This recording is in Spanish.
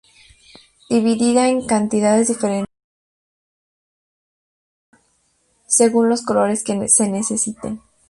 Dividida en cantidades diferentes, según los colores que se necesiten.